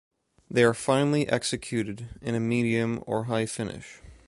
They are finely executed, in a medium or high finish.